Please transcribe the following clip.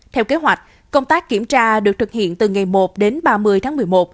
theo kế hoạch công tác kiểm tra được thực hiện từ ngày một đến ba mươi tháng một mươi một